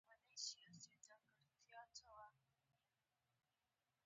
د شمالي امریکا د اقتصادي ودې یو علت لرې والی و.